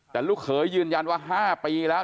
แต่ลูกเขยยืนยันว่า๕ปีแล้ว